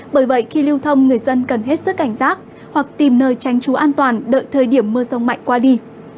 bởi vậy khi lưu thông người dân cần hết sức cảnh giác hoặc tìm nơi tránh trú an toàn đợi thời điểm mưa rông mạnh qua đi